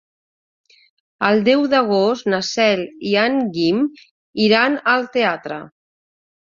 El deu d'agost na Cel i en Guim iran al teatre.